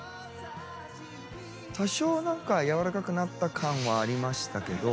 多少何か柔らかくなった感はありましたけど。